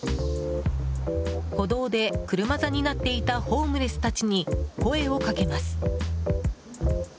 歩道で車座になっていたホームレスたちに声をかけます。